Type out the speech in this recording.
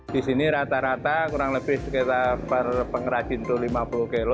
di sini rata rata kurang lebih sekitar per pengrajin itu lima puluh kg